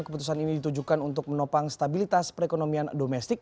keputusan ini ditujukan untuk menopang stabilitas perekonomian domestik